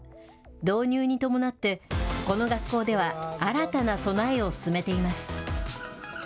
導入に伴って、この学校では、新たな備えを進めています。